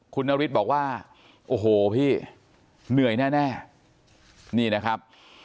คุณนฤทธิ์บอกว่าโอ้โหพี่เหนื่อยแน่นี่นะครับ